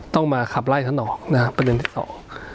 ต้องมาขับไล่ท่านออกนะฮะประเด็นที่สอง